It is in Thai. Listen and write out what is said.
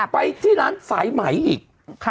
ไปที่ร้านสายไหมอีก